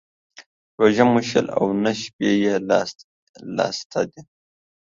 روژه مو شل او نه شپې يې لا سته دى.